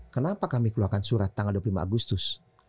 kenapa kami keluarkan surat tanggal dua puluh lima agustus